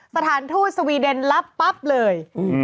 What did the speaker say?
สถานทูตสวีเดนรับปั๊บเลย